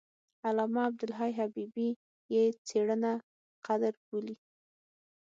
علامه عبدالحي حبیبي یې څېړنه قدر بولي.